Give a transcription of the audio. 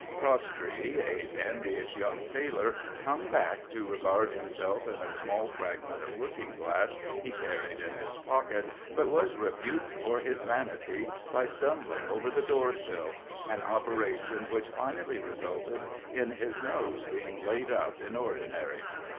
Crosstree, a dandyish young sailor, hung back to regard himself in a small fragment of looking glass he carried in his pocket, but was rebuked for his vanity by stumbling over the door sill an operation which finally resulted in his nose being laid up in ordinary.